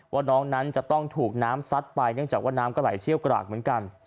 ว่าน้องนั้นจะต้องถูกน้ำซัดไปเนื่องจากว่าน้ำก็ไหลเชี่ยวกรากเหมือนกัน